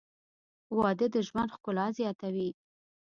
• واده د ژوند ښکلا زیاتوي.